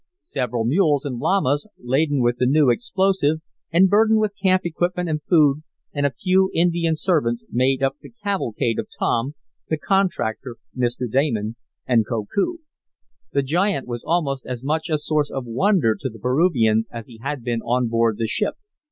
Several mules and llamas, laden with the new explosive, and burdened with camp equipment and food, and a few Indian servants made up the cavalcade of Tom, the contractor, Mr. Damon and Koku. The giant was almost as much a source of wonder to the Peruvians as he had been on board the ship.